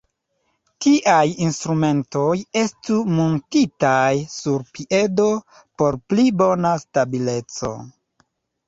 Tiaj instrumentoj estu muntitaj sur piedo por pli bona stabileco.